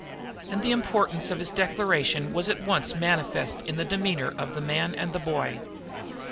And the importance of his declaration was at once manifest in the demeanor of the man and the boy.